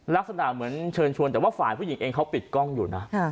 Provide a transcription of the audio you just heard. ลักษณะเหมือนเชิญชวนแต่ว่าฝ่ายผู้หญิงเองเขาปิดกล้องอยู่นะ